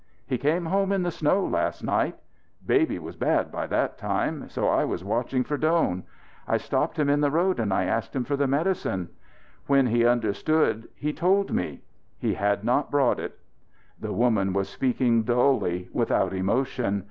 "He came home in the snow last night. Baby was bad by that time, so I was watching for Doan. I stopped him in the road and I asked for the medicine. When he understood he told me. He had not brought it." The woman was speaking dully, without emotion.